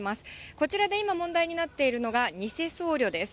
こちらで今、問題になっているのが、偽僧侶です。